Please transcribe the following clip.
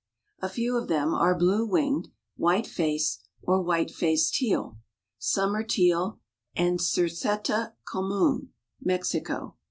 A few of them are blue winged; white face, or white faced teal; summer teal, and cerceta comun (Mexico.)